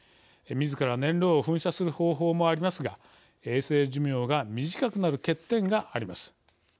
みずから燃料を噴射する方法もありますが衛星寿命が短くなる欠点があります。